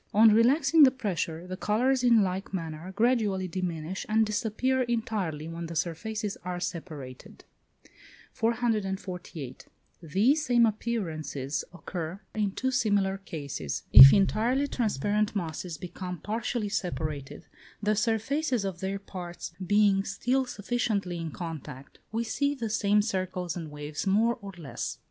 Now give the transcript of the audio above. On relaxing the pressure, the colours, in like manner, gradually diminish, and disappear entirely when the surfaces are separated. 448. These same appearances occur in two similar cases. If entirely transparent masses become partially separated, the surfaces of their parts being still sufficiently in contact, we see the same circles and waves more or less.